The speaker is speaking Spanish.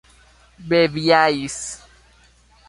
bebíais